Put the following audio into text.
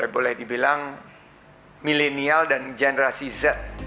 boleh dibilang milenial dan generasi z